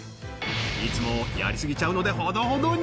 いつもやりすぎちゃうのでほどほどに！